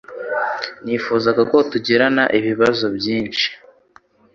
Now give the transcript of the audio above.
Nifuzaga ko tutagira ibibazo byinshi